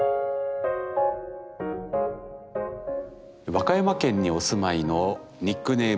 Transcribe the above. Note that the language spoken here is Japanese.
和歌山県にお住まいのニックネーム